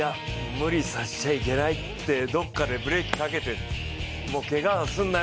無理させちゃいけないってどこかでブレーキをかけてるの。